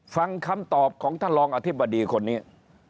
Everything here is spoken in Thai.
ฟังคำตอบของท่านรองอธิบดีคนนี้